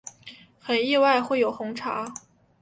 很意外会有红茶